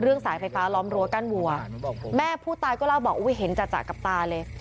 เรื่องสายไฟฟ้าล้อมรวดกั้นวัวแม่ผู้ตายก็เล่าบอกอุ๊ยเห็นจัดจัดกลับตาเลย